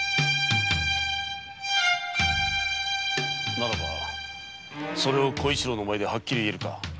ならばそれを小一郎の前ではっきり言えるか？